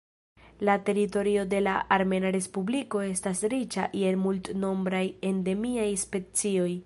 La teritorio de la Armena Respubliko estas riĉa je multnombraj endemiaj specioj.